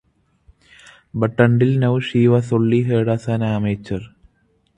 But until now she was only heard as an amateur.